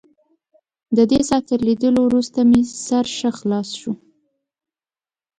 ددې څاه تر لیدلو وروسته مې سر ښه خلاص شو.